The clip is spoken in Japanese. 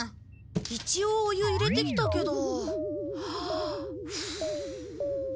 一応お湯入れてきたけど。